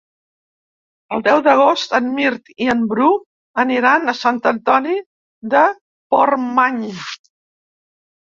El deu d'agost en Mirt i en Bru aniran a Sant Antoni de Portmany.